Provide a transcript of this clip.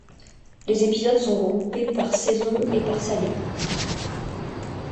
Les épisodes sont groupés par saison et par saga.